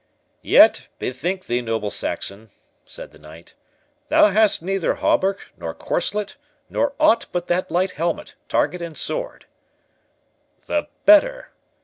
"Yet, bethink thee, noble Saxon," said the knight, "thou hast neither hauberk, nor corslet, nor aught but that light helmet, target, and sword." "The better!"